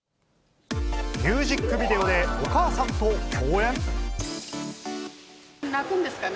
ミュージックビデオでお母さ泣くんですかね？